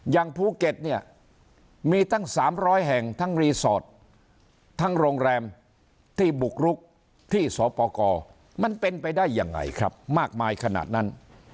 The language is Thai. อย่างภูเก็ตเนี่ยมีตั้ง๓๐๐แห่งทั้งรีสอร์ททั้งโรงแรมที่บุกรุกที่สปกรมันเป็นไปได้ยังไงครับมากมายขนาดนั้น